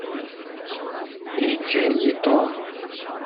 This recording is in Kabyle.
Yeǧǧa-yi Tom.